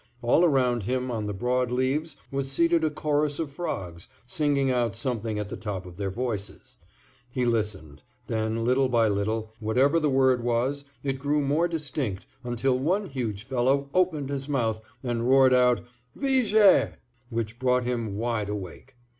All around him on the broad leaves was seated a chorus of frogs, singing out something at the top of their voices. He listened. Then, little by little, whatever the word was, it grew more distinct until one huge fellow opened his mouth and roared out "VIGER!" which brought him wide awake.